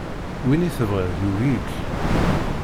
Win i tebɣiḍ yugi-k.